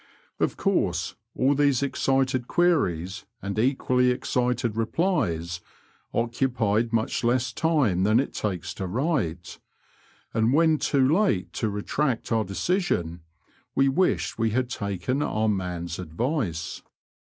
Of course, all these excited queries and equally excited replies occupied much less time than it takes to write, and when too late too retract our decision we wished we had taken our man's advice.